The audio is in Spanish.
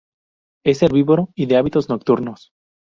Es herbívoro y de hábitos nocturnos.